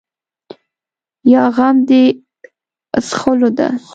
یا غم د څښلو ده.